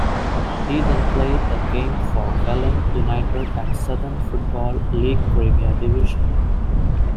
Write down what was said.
He then played a game for Welling United at Southern Football League Premier Division.